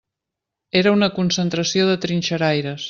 Era una concentració de trinxeraires.